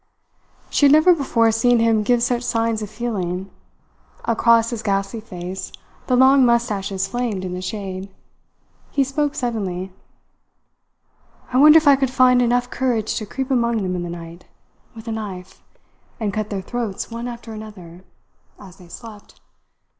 She had never before seen him give such signs of feeling. Across his ghastly face the long moustaches flamed in the shade. He spoke suddenly: "I wonder if I could find enough courage to creep among them in the night, with a knife, and cut their throats one after another, as they slept!